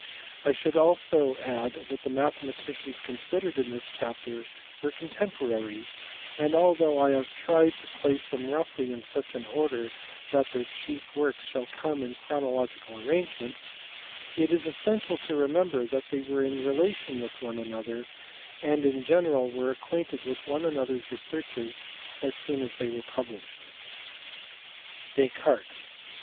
I should also add that the mathematicians considered in this chapter were contemporaries, and, although I have tried to place them roughly in such an order that their chief works shall come in a chronological arrangement, it is essential to remember that they were in relation one with the other, and in general were acquainted with one another s researches as soon as these were published. 270 MATHEMATICS FROM DESCARTES TO HUYGENS. Descartes*.